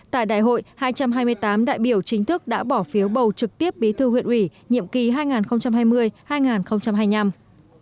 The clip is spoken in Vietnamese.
tại đại hội hai trăm hai mươi tám đại biểu chính thức đã bỏ phiếu bầu trực tiếp bí thư huyện ủy nhiệm kỳ hai nghìn hai mươi hai nghìn hai mươi năm